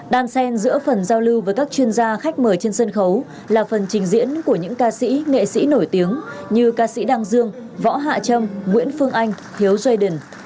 đan sen giữa phần giao lưu với các chuyên gia khách mời trên sân khấu là phần trình diễn của những ca sĩ nghệ sĩ nổi tiếng như ca sĩ đăng dương võ hạ trâm nguyễn phương anh thiếu jidence